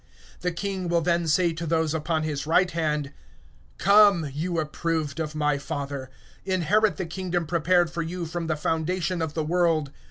(34)Then will the King say to those on his right hand: Come, blessed of my Father, inherit the kingdom prepared for you from the foundation of the world.